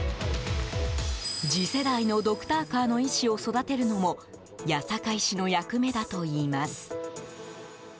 次世代のドクターカーの医師を育てるのも八坂医師の役目だといいます。